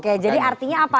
oke jadi artinya apa